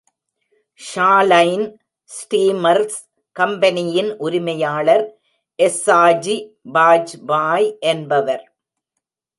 ஷாலைன் steamers கம்பெனியின் உரிமையாளர் எஸ்ஸாஜி பாஜ்பாய் என்பவர்.